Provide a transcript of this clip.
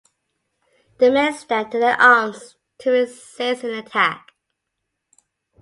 The men stand to their arms to resist an attack.